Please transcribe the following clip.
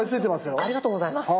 ありがとうございます。